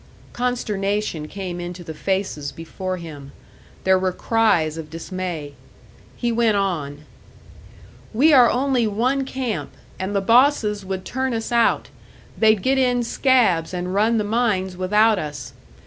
Consternation came into the faces before him. There were cries of dismay. He went on: "We are only one camp, and the bosses would turn us out, they'd get in scabs and run the mines without us.